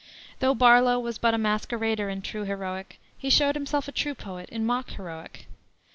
Though Barlow was but a masquerader in true heroic, he showed himself a true poet in mock heroic.